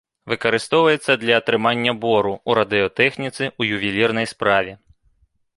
Выкарыстоўваецца для атрымання бору, у радыётэхніцы, у ювелірнай справе.